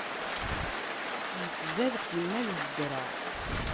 Yettzad simmal zeddreɣ.